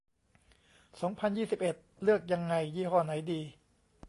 สองพันยี่สิบเอ็ด เลือกยังไง ยี่ห้อไหนดี